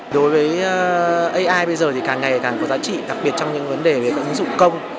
đối với ai bây giờ thì càng ngày càng có giá trị đặc biệt trong những vấn đề về các ứng dụng công